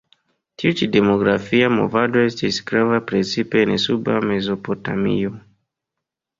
Tiu ĉi demografia movado estis grava precipe en Suba Mezopotamio.